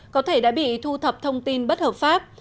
có thể đã bị thu thập thông tin bất hợp pháp